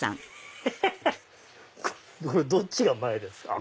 これどっちが前ですか？